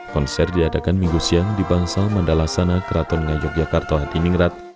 konser diadakan minggu siang di bangsal mandala sana keraton ngayok yakarta hadiningrat